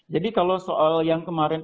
jadi kalau soal yang kemarin